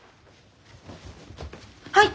はい！